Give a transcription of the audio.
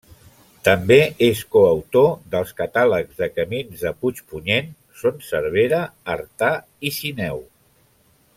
També és coautor dels catàlegs de camins de Puigpunyent, Son Servera, Artà i Sineu.